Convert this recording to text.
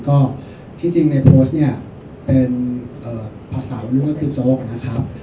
ก็ที่จริงในโพสต์เนี่ยเป็นภาษานึกว่าคือโจ๊กนะครับ